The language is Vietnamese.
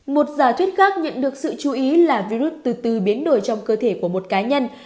một giả thuyết khác nhận được sự chú ý là virus từ biến đổi trong cơ thể của một cá nhân